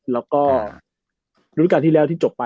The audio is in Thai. และการลิฟท์การที่แล้วที่จบไป